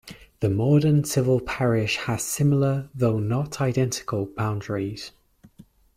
The modern civil parish has similar, though not identical, boundaries.